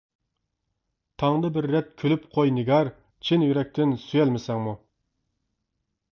تاڭدا بىر رەت كۈلۈپ قوي نىگار، چىن يۈرەكتىن سۆيەلمىسەڭمۇ.